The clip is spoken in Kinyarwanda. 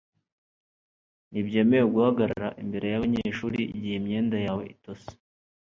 ntibyemewe guhagarara imbere y'abanyeshuri igihe imyenda yawe itose